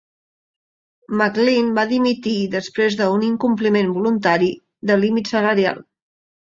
McLean va dimitir després d'un incompliment voluntari del límit salarial.